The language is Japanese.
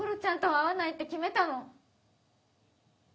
会わないって決めたの